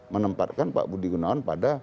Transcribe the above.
menempatkan pak budi gunawan pada